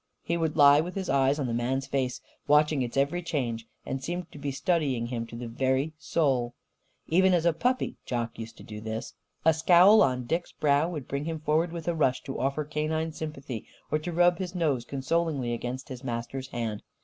He would lie with his eyes on the man's face, watching its every change; and seemed to be studying him to the very soul. Even as a puppy, Jock used to do this. A scowl on Dick's brow would bring him forward with a rush, to offer canine sympathy or to rub his nose consolingly against his master's hand.